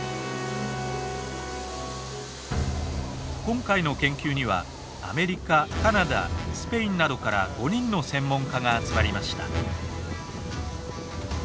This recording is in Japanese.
今回の研究にはアメリカカナダスペインなどから５人の専門家が集まりました。